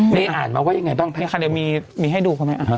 นี่อ่านมาว่ายังไงต้องมีให้ดูเขาไหม